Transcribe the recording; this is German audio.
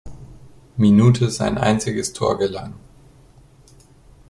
Minute sein einziges Tor gelang.